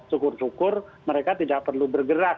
syukur syukur mereka tidak perlu bergerak